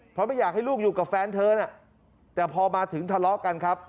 เพราะไม่อยากให้ลูกอยู่กับแฟนเธอน่ะแต่พอมาถึงทะเลาะกันครับ